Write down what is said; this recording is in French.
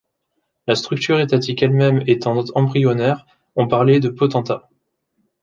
La structure étatique elle-même étant embryonnaire, on parlait de potentat.